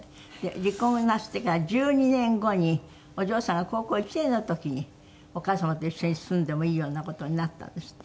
離婚をなすってから１２年後にお嬢さんが高校１年の時にお母様と一緒に住んでもいいような事になったんですって？